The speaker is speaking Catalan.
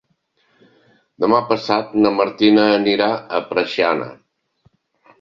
Demà passat na Martina anirà a Preixana.